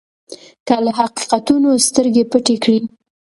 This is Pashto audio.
که له حقیقتونو سترګې پټې کړئ.